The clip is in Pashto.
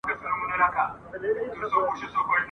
کښېنولي یې په غم کي توتکۍ دي !.